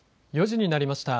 ４時になりました。